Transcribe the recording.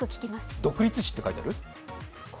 独立詞って書いてある？